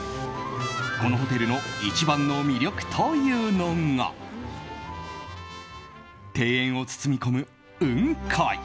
このホテルの一番の魅力というのが庭園を包み込む、雲海。